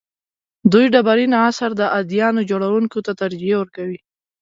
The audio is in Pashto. دوی ډبرین عصر د اديانو جوړونکو ته ترجیح ورکوي.